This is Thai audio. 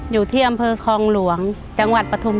อยู่ที่อำเภอคลองหลวงจังหวัดปฐุม